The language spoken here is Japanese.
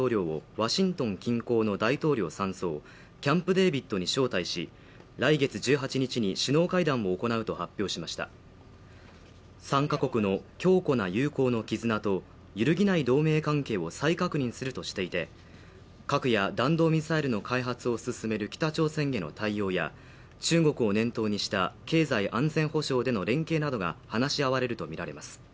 ワシントン近郊の大統領山荘キャンプ・デービッドに招待し来月１８日に首脳会談も行うと発表しました３か国の強固な友好の絆と揺るぎない同盟関係を再確認するとしていて核や弾道ミサイルの開発を進める北朝鮮への対応や中国を念頭にした経済安全保障での連携などが話し合われるとみられます